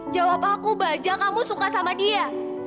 jawab aku baja kamu suka sama dia